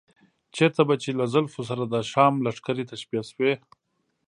چېرته به چې له زلفو سره د شام لښکرې تشبیه شوې.